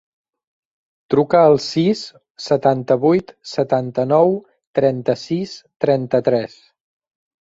Truca al sis, setanta-vuit, setanta-nou, trenta-sis, trenta-tres.